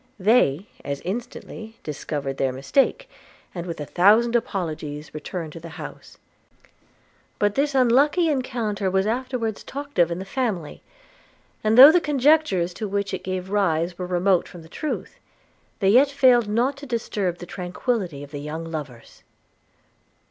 They as instantly discovered their mistake, and with a thousand apologies returned to the house: but this unlucky rencounter was afterwards talked of in the family; and, though the conjectures to which it gave rise were remote from the truth, they yet failed not to disturb the tranquillity of the young lovers.